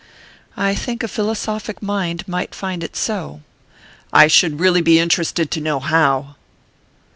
"I think a philosophic mind might find it so." "I should really be interested to know how!"